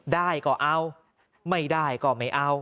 ได้ก็เอาไม่ได้ก็ไม่เอา